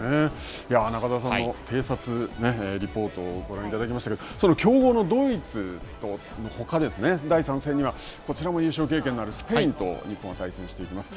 中澤さんの偵察、リポートをご覧いただきましたけど、その強豪のドイツのほか、第３戦には、こちらも優勝経験のあるスペインと日本は対戦していきます。